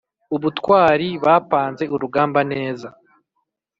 ubutwari bapanze urugamba neza